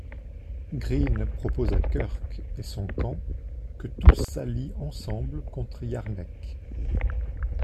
Green propose à Kirk et son camp que tous s'allient ensemble contre Yarnek.